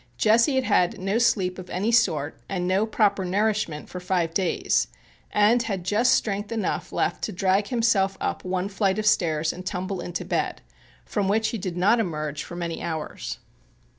Jesse had had no sleep of any sort and no proper nourishment for five days, and had just strength enough left to drag himself up one flight of stairs and tumble into bed, from which he did not emerge for many hours.